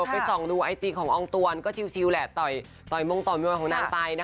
ไปส่องดูไอจีของอองต้วนก็ชิลแหละตอยตอยเมาะของน้ำไต